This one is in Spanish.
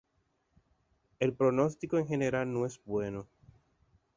El pronostico en general no es bueno.